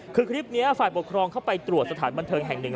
คือคลิปนี้ฝ่ายปกครองเข้าไปตรวจสถานบันเทิงแห่งหนึ่ง